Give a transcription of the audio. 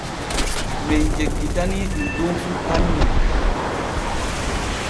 Men jeggitanii ɗun ɗon fu hanne.